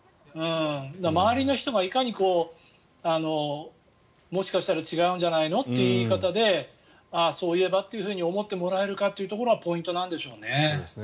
周りの人が、いかにもしかしたら違うんじゃないの？という言い方でああ、そういえばって思ってもらえるかというところがポイントなんでしょうね。